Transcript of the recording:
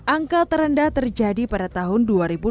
angka terendah terjadi pada tahun dua ribu dua puluh